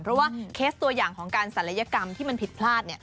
เพราะว่าเคสตัวอย่างของการศัลยกรรมที่มันผิดพลาด